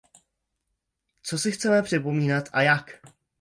Co si chceme připomínat a jak?